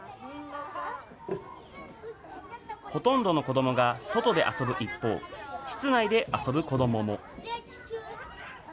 ほとんどの子どもが外で遊ぶ一方、室内で遊ぶ子どもも。